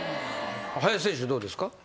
林選手どうですか？